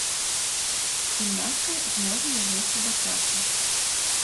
Гімнастка зможа вярнуцца да працы.